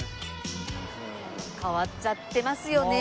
変わっちゃってますよね。